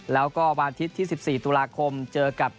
แล้วก็วันอาทิตย์ที่๑๔ตุลาคมเจอกับ